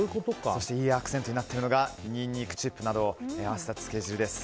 そしていいアクセントになっているのがニンニクチップなどを合わせたつけ汁です。